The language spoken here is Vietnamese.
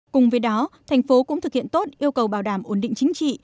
cùng với đó thành phố cũng thực hiện tốt yêu cầu bảo đảm ổn định chính trị